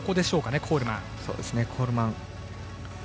コールマン。